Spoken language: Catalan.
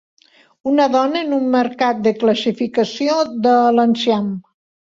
Una dona en un mercat de classificació de l'enciam.